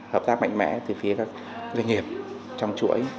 hợp tác mạnh mẽ từ phía các doanh nghiệp trong chuỗi